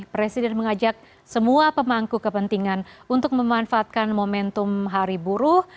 presiden mengajak semua pemangku kepentingan untuk memanfaatkan momentum hari buruh